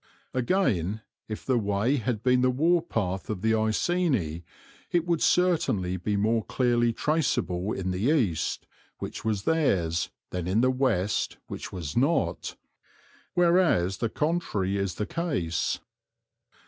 Again, if the way had been the warpath of the Iceni, it would certainly be more clearly traceable in the east, which was theirs, than in the west, which was not; whereas the contrary is the case.